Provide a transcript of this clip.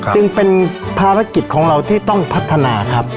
จึงเป็นภารกิจของเราที่ต้องพัฒนาครับ